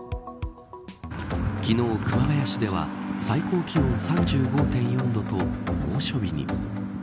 昨日、熊谷市では最高気温３５．４度と猛暑日に。